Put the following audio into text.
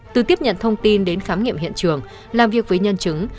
từ tiếp nhận thông tin đến khám nghiệm hiện trường làm việc với nhân chứng